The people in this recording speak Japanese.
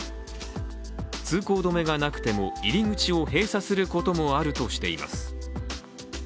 通行止めがなくても、入り口を閉鎖することもあるとしています。